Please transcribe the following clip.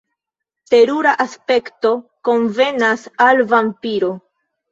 Terura aspekto konvenas al vampiro.